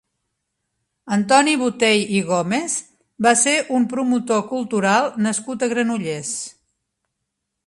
Antoni Botey i Gómez va ser un promotor cultural nascut a Granollers.